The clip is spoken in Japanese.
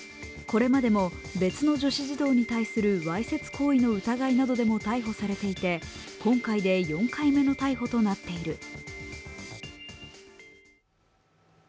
これまでも別の女子児童に対するわいせつ行為の疑いなどでも逮捕されていて今回で４回目の逮捕となっている。